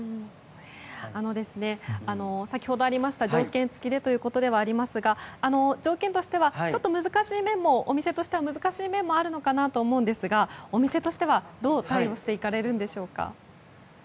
先ほどありました条件付きでということではありますが条件としてはお店としては難しい面もあるのかなと思うんですがお店としては、どう対応していかれるんでしょうか？